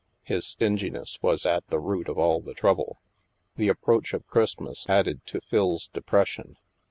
His stinginess was at the root of all the trouble. The approach of Christmas added to Phil's de pression.